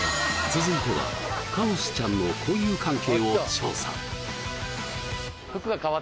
続いてはカオスちゃんの交友関係を調査